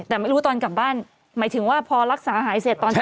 แต่ไม่รู้ตอนกลับบ้านหมายถึงว่าพอรักษาหายเสร็จตอนเช้า